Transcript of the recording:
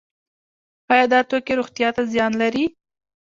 آیا دا توکي روغتیا ته زیان لري؟